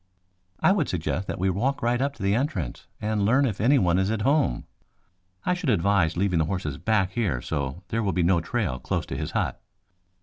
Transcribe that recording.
"I would suggest that we walk right up to the entrance and learn if anyone is at home. I should advise leaving the horses back here, so there will be no trail close to his hut."